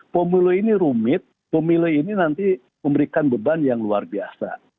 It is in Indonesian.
pemilu ini rumit pemilu ini nanti memberikan beban yang luar biasa